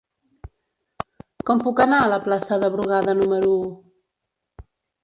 Com puc anar a la plaça de Brugada número u?